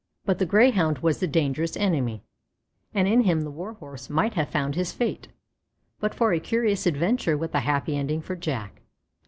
But the Greyhound was the dangerous enemy, and in him the Warhorse might have found his fate, but for a curious adventure with a happy ending for Jack.